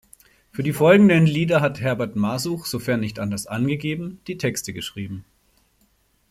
Für die folgenden Lieder hat Herbert Masuch, sofern nicht anders angegeben, die Texte geschrieben.